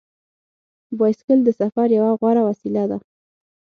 بایسکل د سفر یوه غوره وسیله ده.